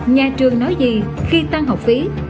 nhà trường nói gì khi tăng học phí